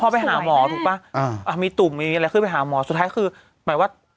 พอไปหาหมอถูกป่ะอ่ามีตุ่มมีอะไรขึ้นไปหาหมอสุดท้ายคือหมายว่า